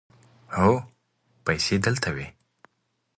هو، پیسې دلته وې